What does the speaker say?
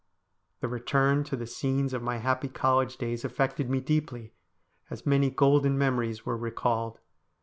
The return to the scenes of my happy college days affected me deeply, as many golden memories were re called.